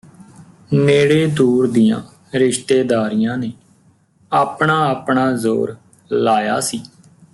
ਨੇੜੇ ਦੂਰ ਦੀਆਂ ਰਿਸ਼ਤੇਦਾਰੀਆਂ ਨੇ ਆਪਣਾ ਆਪਣਾ ਜ਼ੋਰ ਲਾਇਆ ਸੀ